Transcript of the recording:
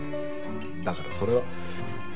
だからそれは。